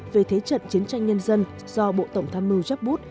về thế trận chiến tranh nhân dân do bộ tổng tham mưu giáp bút